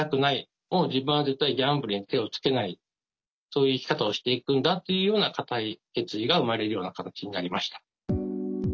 自分は絶対ギャンブルに手をつけないそういう生き方をしていくんだっていうような固い決意が生まれるような形になりました。